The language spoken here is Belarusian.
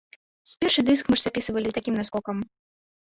Першы дыск мы ж запісвалі такім наскокам.